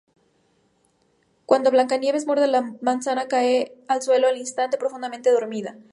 Cuando Blancanieves muerde la manzana, cae al suelo al instante, profundamente dormida.